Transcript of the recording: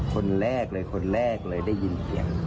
คนแรกเลยคนแรกเลยได้ยินเสียง